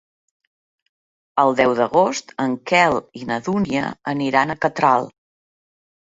El deu d'agost en Quel i na Dúnia aniran a Catral.